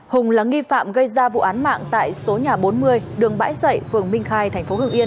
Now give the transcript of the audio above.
hùng là nghi phạm gây ra vụ án mạng tại số nhà bốn mươi đường bãi dậy phường minh khai thành phố hưng yên